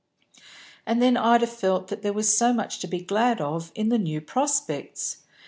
And then Ida felt there was so much to be glad of in the new prospects.